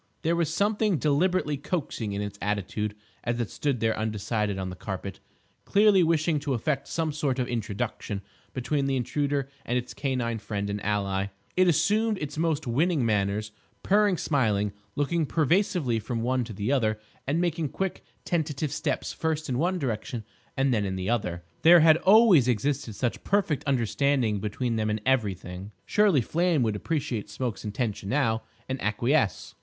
There was something deliberately coaxing in its attitude as it stood there undecided on the carpet, clearly wishing to effect some sort of introduction between the Intruder and its canine friend and ally. It assumed its most winning manners, purring, smiling, looking persuasively from one to the other, and making quick tentative steps first in one direction and then in the other. There had always existed such perfect understanding between them in everything. Surely Flame would appreciate Smoke's intention now, and acquiesce.